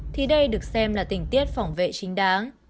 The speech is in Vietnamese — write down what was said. thì đây được xem là tình tiết phòng vệ chính đáng